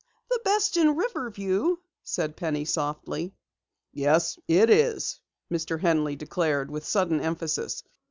"The best in Riverview," said Penny softly. "Yes, it is!" Mr. Henley declared with sudden emphasis.